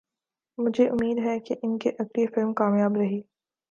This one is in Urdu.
مجھے امید ہے کہ ان کی اگلی فلم کامیاب رہی